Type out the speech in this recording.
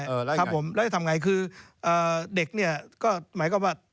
งติดตามแล้วทำไงคือเอ่อเด็กเนี่ยก็หมายก็บอกว่า